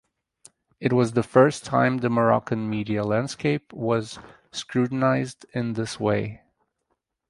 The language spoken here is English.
It was the first time the Moroccan media landscape was scrutinized in this way.